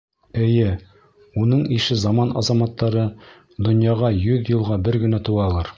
Эйе, уның ише заман азаматтары донъяға йөҙ йылға бер генә тыуалыр.